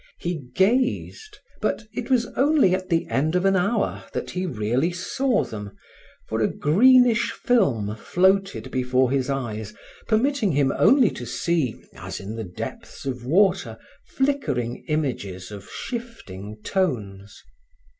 He gazed, but it was only at the end of an hour that he really saw them, for a greenish film floated before his eyes, permitting him only to see, as in the depths of water, flickering images of shifting tones.